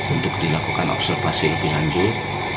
untuk dilakukan observasi lebih lanjut